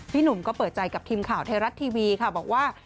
หนุ่มก็เปิดใจกับทีมข่าวไทยรัฐทีวีค่ะบอกว่า